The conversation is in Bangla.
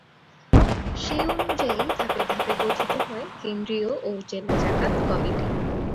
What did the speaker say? সে অনুযায়ী ধাপে ধাপে গঠিত হয় কেন্দ্রীয় ও জেলা জাকাত কমিটি।